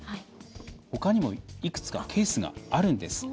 ほかにもいくつかケースがあるんです。